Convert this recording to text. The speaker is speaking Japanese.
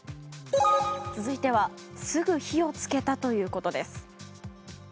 続いてはすぐ火を付けたということです。